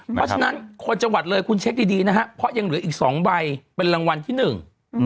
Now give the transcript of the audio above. เพราะฉะนั้นคนจังหวัดเลยคุณเช็คดีดีนะฮะเพราะยังเหลืออีกสองใบเป็นรางวัลที่หนึ่ง